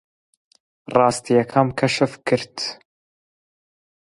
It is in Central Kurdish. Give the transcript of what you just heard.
ڕاستییەکەم کەشف کرد.